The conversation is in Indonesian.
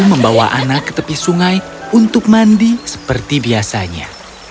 membawa anak ke tepi sungai untuk mandi seperti biasanya